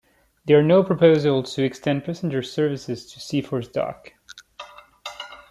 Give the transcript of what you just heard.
There are no proposals to extend passenger services to Seaforth Dock.